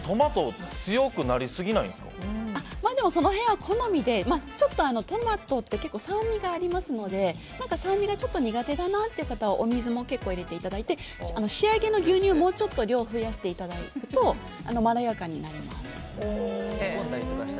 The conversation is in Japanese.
その辺は好みでトマトって結構、酸味がありますので酸味が苦手だなという方はお水も結構入れていただいて仕上げの牛乳をもうちょっと量を増やしていただくとまろやかになります。